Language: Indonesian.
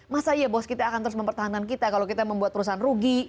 masa iya bos kita akan terus mempertahankan kita kalau kita membuat perusahaan rugi